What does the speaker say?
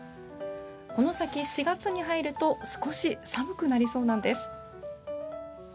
この先、４月に入ると少し寒くなりそうなんです。